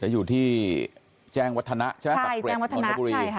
อยู่ที่แจ้งวัฒนะเจ้ากับเกร็ดมณบุรี